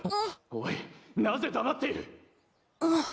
おいなぜ黙っている⁉あっ！